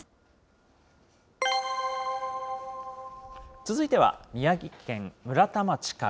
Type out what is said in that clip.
続いては、宮城県村田町から。